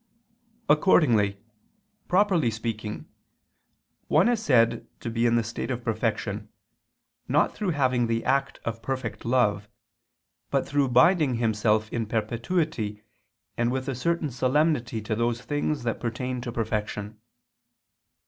Accordingly, properly speaking, one is said to be in the state of perfection, not through having the act of perfect love, but through binding himself in perpetuity and with a certain solemnity to those things that pertain to perfection.